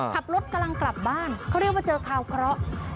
ขับรถกำลังกลับบ้านเขาเรียกว่าเจอคาวเคราะห์